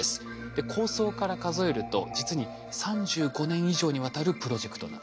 で構想から数えると実に３５年以上にわたるプロジェクトなんです。